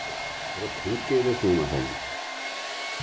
それは天啓ですねまさに。